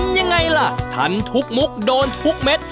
ยังไงล่ะทันทุกมุกโดนทุกเม็ด